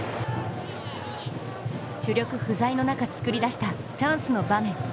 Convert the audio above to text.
主力不在の中、作り出したチャンスの場面。